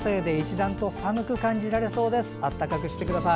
暖かくしてください。